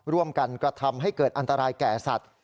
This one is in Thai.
ร่วมกันกระทำให้เกิดอันตรายแก่สัตว์